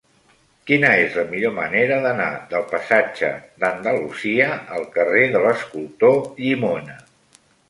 Quina és la millor manera d'anar del passatge d'Andalusia al carrer de l'Escultor Llimona?